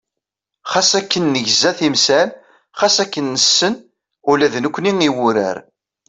Xas akken negza timsal, xas akken nessen ula d nekkni i wurar.